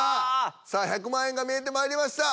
さあ１００万円が見えてまいりました。